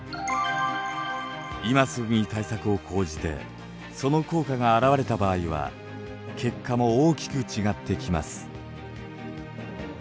今すぐに対策を講じてその効果が表れた場合は結果も大きく違ってきます。